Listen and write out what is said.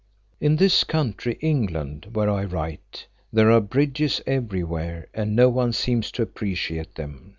In this country, England, where I write, there are bridges everywhere and no one seems to appreciate them.